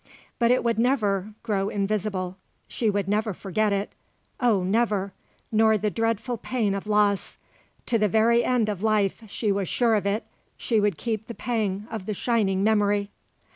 But it would never grow invisible; she would never forget it; oh never; nor the dreadful pain of loss. To the very end of life, she was sure of it, she would keep the pang of the shining memory.